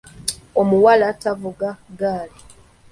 Omuwala tavuga ggaali